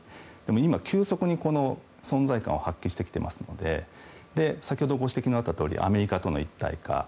今、急速に存在感を発揮してきていますので先ほどご指摘があったとおりアメリカとの一体化。